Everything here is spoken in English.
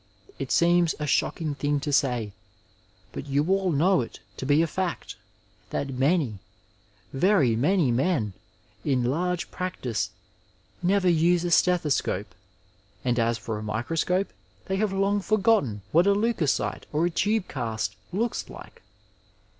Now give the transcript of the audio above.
It seems a shocking thing to say, but you all know it to be a bet that many, very many men in large practice never use a stethoscope, and as for a microscope, they have long forgotten what a leucocyte or a tube cast looks like.